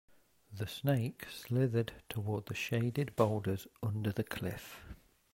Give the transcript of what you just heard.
The snake slithered toward the shaded boulders under the cliff.